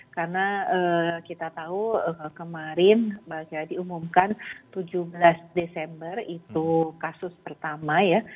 karena kita tahu kemarin diumumkan tujuh belas desember itu kasus pertama ya